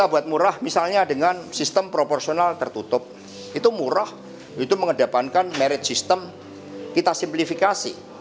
membuat murah misalnya dengan sistem proporsional tertutup itu murah itu mengedapankan merit sistem kita simplifikasi